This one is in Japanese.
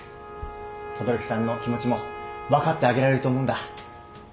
轟さんの気持ちも分かってあげられると思うんだ。